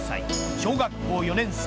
小学校４年生。